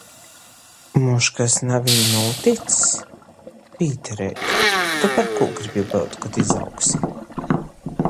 Moš kas naviņ nūtics? Pītereit, tu par kū gribi byut, kod izaugsi?